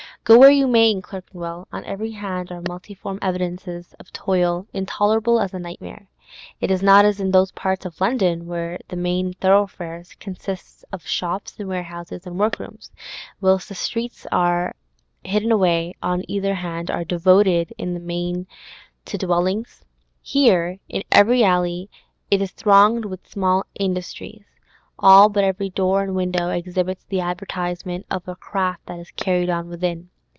Go where you may in Clerkenwell, on every hand are multiform evidences of toil, intolerable as a nightmare. It is not as in those parts of London where the main thoroughfares consist of shops and warehouses and workrooms, whilst the streets that are hidden away on either hand are devoted in the main to dwellings Here every alley is thronged with small industries; all but every door and window exhibits the advertisement of a craft that is carried on within.